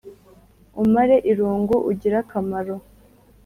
Umare irungu ugire akamaro.